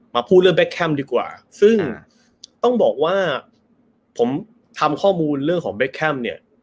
พูดเรื่องแบคแคมดีกว่าซึ่งต้องบอกว่าผมทำข้อมูลเรื่องของเบคแคมเนี่ย